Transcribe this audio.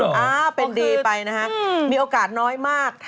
อ๋อเหรอโอเคอ๋อเป็นดีไปนะฮะมีโอกาสน้อยมาก